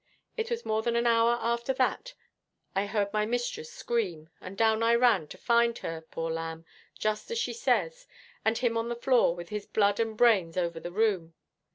It was more than an hour after that I heard my mistress scream, and down I ran, to find her, poor lamb, just as she says, and him on the floor, with his blood and brains over the room.